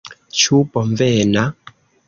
Ĉu bonvena?